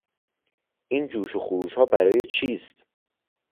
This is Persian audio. این جوش و خروشها برای چیست؟